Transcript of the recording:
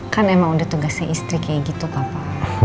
kan emang udah tugasnya istri kayak gitu papa